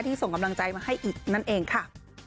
ส่งกำลังใจมาให้อีกนั่นเองค่ะ